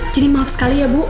jadi maaf sekali ya bu